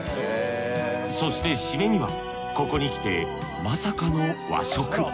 そしてシメにはここにきてまさかの和食。